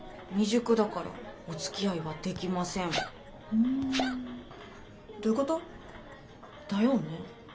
ふんどういうこと？だよね？